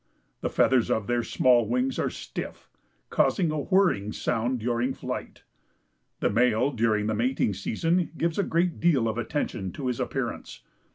The feathers of their small wings are stiff, causing a whirring sound during flight. The male during the mating season gives a great deal of attention to his appearance.